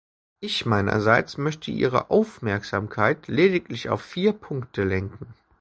Ich meinerseits möchte Ihre Aufmerksamkeit lediglich auf vier Punkte lenken.